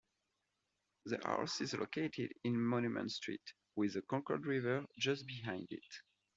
The house is located on Monument Street, with the Concord River just behind it.